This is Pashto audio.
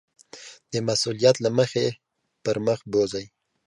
د مسؤلیت له مخې پر مخ بوځي.